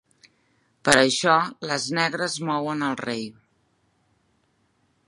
Per això, les negres mouen el rei.